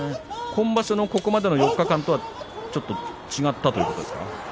今場所のここまでの４日間とはちょっと違ったということですか。